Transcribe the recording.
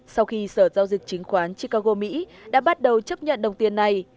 sau khi sở giao dịch chứng khoán chicago mỹ đã bắt đầu chấp nhận đồng tiền này